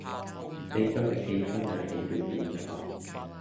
四周的氣氛也起了變化